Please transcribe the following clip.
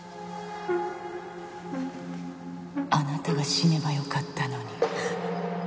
あなたが死ねばよかったのに。